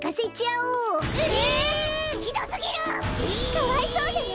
かわいそうじゃない！